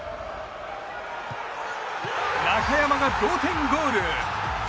中山が同点ゴール！